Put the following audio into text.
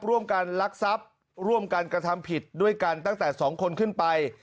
ลักทรัพย์ร่วมกันกระทำผิดด้วยกันตั้งแต่๒คนขึ้นไป